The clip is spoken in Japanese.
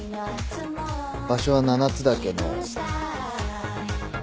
場所は七ツ岳の。